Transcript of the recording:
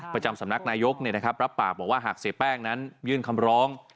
ประจำสำนักนายกรับปากบอกว่าหากเสียแป้งนั้นยื่นคำร้อง